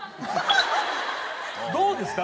どうですか？